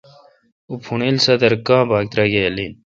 اوں پھوݨیل سادر کاں باگہ تراگال این۔